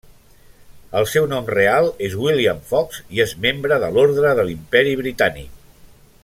El seu nom real és William Fox i és membre de l'Orde de l'Imperi Britànic.